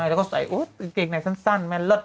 แล้วก็ใส่กางเกงในสั้นแมนเลิศ